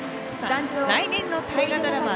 来年の大河ドラマ